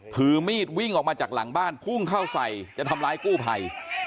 ถือมีดวิ่งออกมาจากหลังบ้านพุ่งเข้าใส่จะทำร้ายกู้ภัย